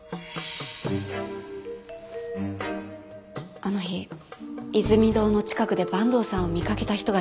あの日イズミ堂の近くで坂東さんを見かけた人がいます。